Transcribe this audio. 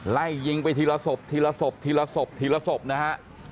ไล่ยิงไปทีละศพทีละศพทีละศพทีละศพนะฮะ